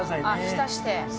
浸して。